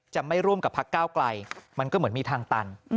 จะไม่ร่วมกับพักก้าวไกลมันก็เหมือนมีทางตัน